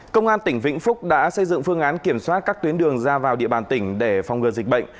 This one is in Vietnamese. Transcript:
công an tỉnh vĩnh phúc đã xây dựng phương án kiểm soát các tuyến đường ra vào địa bàn tỉnh để phòng ngừa dịch bệnh